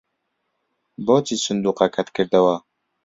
بۆچی سندووقەکەت کردەوە؟